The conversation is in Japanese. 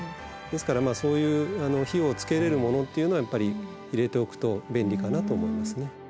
ですからそういう火をつけれるものっていうのはやっぱり入れておくと便利かなと思いますね。